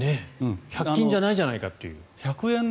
１００均じゃないじゃないかという。